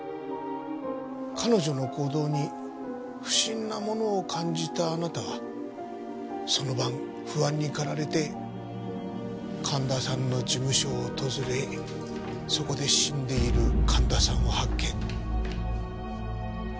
彼女の行動に不審なものを感じたあなたはその晩不安に駆られて神田さんの事務所を訪れそこで死んでいる神田さんを発見。